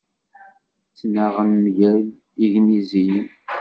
Ttnaɣen mgal Igniziyen.